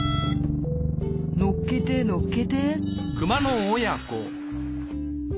のっけてのっけて。